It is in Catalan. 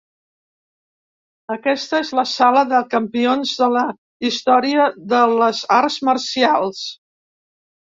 Aquesta és la sala de campions de la història de les arts marcials.